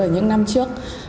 ở những năm trước